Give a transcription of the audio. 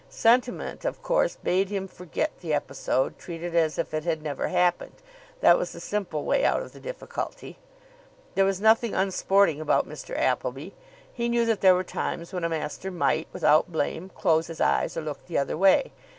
Sentiment, of course, bade him forget the episode, treat it as if it had never happened. That was the simple way out of the difficulty. There was nothing unsporting about Mr. Appleby. He knew that there were times when a master might, without blame, close his eyes or look the other way.